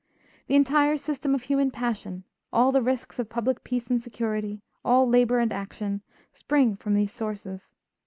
The entire system of human passion, all the risks of public peace and security, all labor and action, spring from these sources.